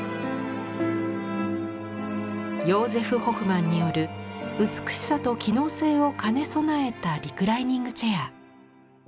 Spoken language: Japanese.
ヨーゼフ・ホフマンによる美しさと機能性を兼ね備えたリクライニングチェア。